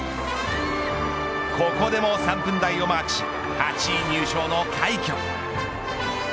ここでも３分台をマークし８位入賞の快挙。